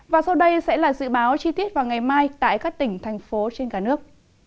và sau đây sẽ là dự báo chi tiết vào ngày mai tại các tỉnh thành phố trên cả nước